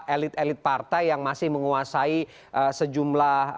elit elit partai yang masih menguasai sejumlah